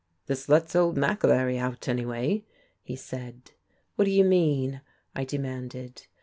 "This lets old McAlery out, anyway," he said. "What do you mean?" I demanded.